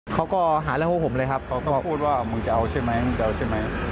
เขาก็หาเรื่องพวกผมเลยครับเขาก็มาพูดว่ามึงจะเอาใช่ไหมมึงจะเอาใช่ไหม